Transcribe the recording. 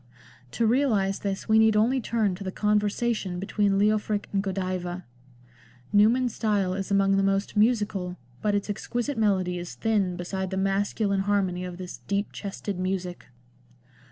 To realise this we need only turn to the Conversation between Leofric and Godiva. Newman's style is among the most musical, but its exquisite melody is thin beside the masculine harmony of this " deep chested music."